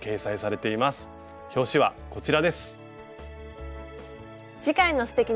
表紙はこちらです。